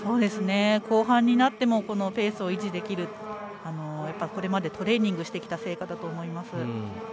後半になってもペースを維持できるのはこれまでトレーニングしてきた成果だと思います。